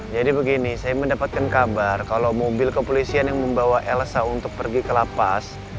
begini saya mendapatkan kabar kalau mobil kepolisian yang membawa elsa untuk pergi ke lapas